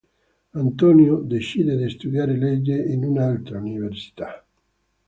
Antonio decide di studiare legge in un'altra università.